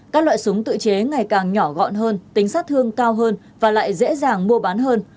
các loại súng tự chế ngày càng nhỏ gọn hơn tính sát thương cao hơn và lại dễ dàng mua bán hơn